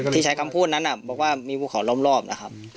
ใช้คำพูดนั้นบอกว่ามีภูเขาล้อมรอบนะครับ